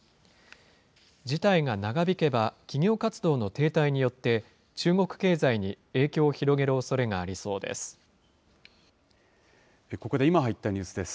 事態が長引けば、企業活動の停滞によって、中国経済に影響を広げるおそれがありそうです。